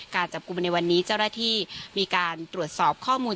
การจับกลุ่มในวันนี้เจ้าหน้าที่มีการตรวจสอบข้อมูล